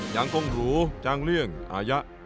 อย่างก้องหรูจางเลี่ยงอาญะ